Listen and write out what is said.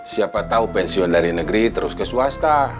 siapa tahu pensiun dari negeri terus ke swasta